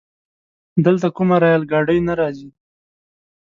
دلته کومه رايل ګاډی نه راځي؟